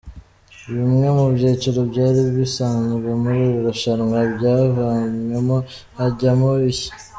Bimwe mu byiciro byari bisanzwe muri iri rushanwa byavanywemo hajyamo ibishya.